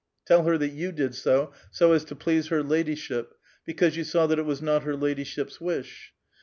Tell her that you did so, so as to please her ladyship, because you saw that it was not her ladyship's wish.